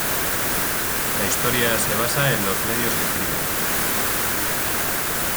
La historia se basa en los medios y el crimen.